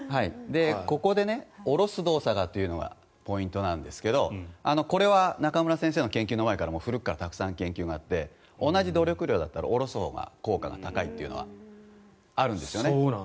ここで下ろす動作というのがポイントなんですけどこれは中村先生の研究の前から研究があって同じ努力量だったら下ろすほうが効果が高いというのはあるんですね。